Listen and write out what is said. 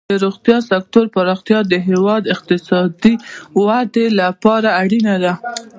د روغتیا سکتور پراختیا د هیواد د اقتصادي ودې لپاره اړینه ده.